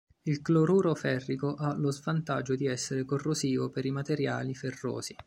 Il "cloruro ferrico" ha lo svantaggio di essere corrosivo per i materiali ferrosi.